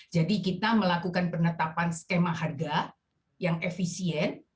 jadi kita melakukan penetapan skema harga yang efisien